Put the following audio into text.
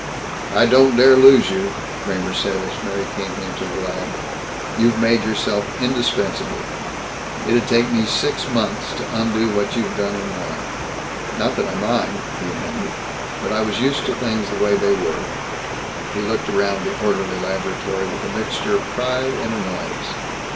"I don't dare lose you," Kramer said as Mary came into the lab. "You've made yourself indispensable. It'd take me six months to undo what you've done in one. Not that I mind," he amended, "but I was used to things the way they were." He looked around the orderly laboratory with a mixture of pride and annoyance.